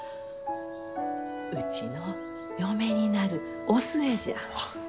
うちの嫁になるお寿恵じゃ。